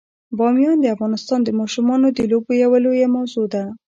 بامیان د افغانستان د ماشومانو د لوبو یوه لویه موضوع ده.